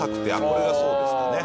これがそうですかね。